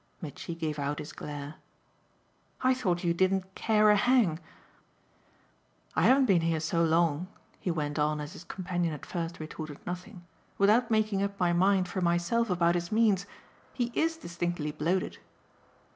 Mitchy gave out his glare. "I thought you didn't 'care a hang.' I haven't been here so long," he went on as his companion at first retorted nothing, "without making up my mind for myself about his means. He IS distinctly bloated."